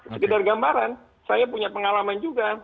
sekedar gambaran saya punya pengalaman juga